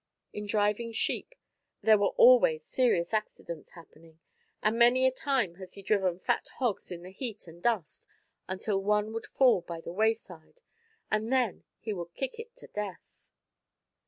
In driving sheep, there were always serious accidents happening, and many a time has he driven fat hogs in the heat and dust until one would fall by the wayside, and then he would kick it to death.